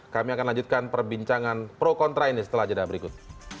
kami akan lanjutkan perbincangan pro kontra ini setelah jeda berikut